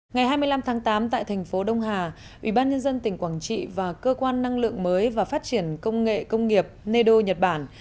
ngày hai mươi năm tháng tám tại thành phố đông hà ủy ban nhân dân tỉnh quảng trị và cơ quan năng lượng mới và phát triển công nghệ công nghiệp neo nhật bản